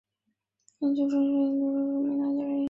环球城市影业诉任天堂案是卡比最著名的案件之一。